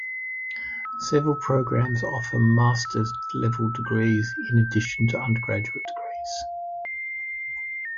Several programs offer masters level degrees in addition to undergraduate degrees.